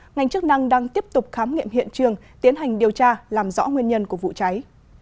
ngành chức năng đang tiếp tục khám nghiệm hiện trường tiến hành điều tra làm rõ nguyên nhân của vụ cháy